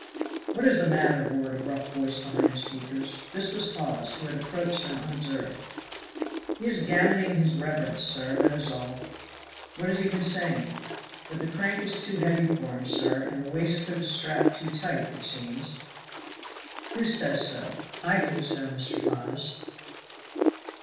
"What is the matter?" roared a rough voice behind the speakers. This was Hawes, who had approached them unobserved. "He is gammoning his reverence, sir that is all." "What has he been saying?" "That the crank is too heavy for him, sir, and the waistcoat is strapped too tight, it seems." "Who says so?" "I think so, Mr. Hawes."